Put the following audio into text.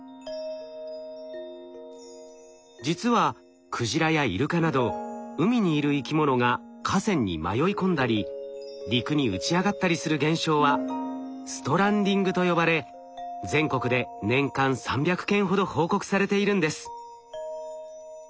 実はクジラやイルカなど海にいる生き物が河川に迷い込んだり陸に打ち上がったりする現象は「ストランディング」と呼ばれ全国で年間３００件ほど報告されているんです。